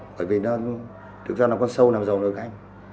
bởi vì nó thực ra là con sâu nằm dầu nơi của anh